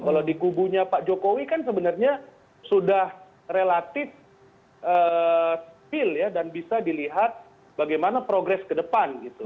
kalau di kubunya pak jokowi kan sebenarnya sudah relatif feel ya dan bisa dilihat bagaimana progres ke depan gitu